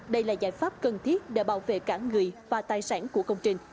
đây là giải pháp cần thiết để bảo vệ cả người và tài sản của công trình